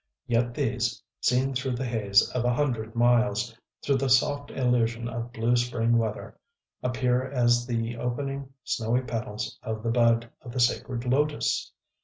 Yet these, seen through the haze of a hundred miles, through the soft illusion of blue spring weather, appear as the opening snowy petals of the bud of the Sacred Lotos!...